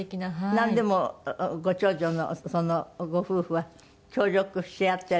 なんでもご長女のご夫婦は協力し合ってらしたんですって？